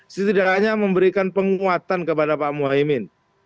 setidaknya memberikan penguatan kepada pak muhaymin